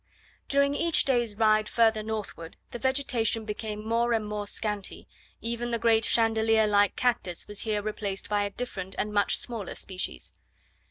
During each day's ride further northward, the vegetation became more and more scanty; even the great chandelier like cactus was here replaced by a different and much smaller species.